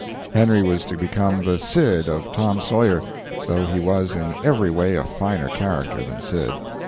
Henry was to become the Sid of Tom Sawyer, though he was in every way a finer character than Sid.